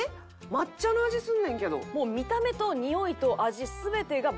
抹茶の味すんねんけど。